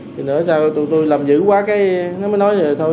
khi nữa chúng tôi làm dữ quá mới nói thôi